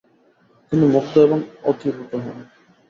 তিনি মুগ্ধ এবং অভিভূত হন।